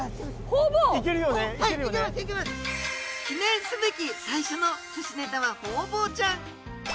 記念すべき最初の寿司ネタはホウボウちゃん。